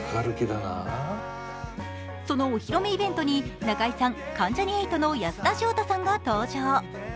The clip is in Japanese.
そのお披露目イベントに中井さん、関ジャニ∞の安田章大さんが登場。